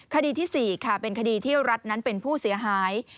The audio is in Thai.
คดีที่๔ค่ะเป็นคดีที่รัฐนั้นเป็นผู้เสียหาย